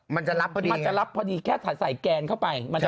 มันจะรับพอดีมันจะรับพอดีแค่ใส่แกนเข้าไป